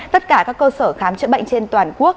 tất cả các cơ sở khám chữa bệnh trên toàn quốc